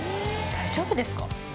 大丈夫ですか？